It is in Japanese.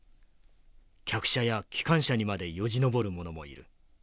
客車や機関車にまでよじ登る者もいる。